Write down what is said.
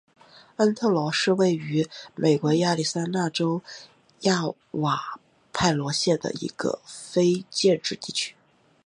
恩特罗是位于美国亚利桑那州亚瓦派县的一个非建制地区。